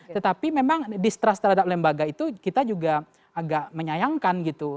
tetapi memang distrust terhadap lembaga itu kita juga agak menyayangkan gitu